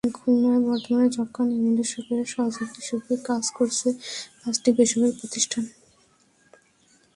খুলনায় বর্তমানে যক্ষ্মা নির্মূলে সরকারের সহযোগী হিসেবে কাজ করছে পাঁচটি বেসরকারি প্রতিষ্ঠান।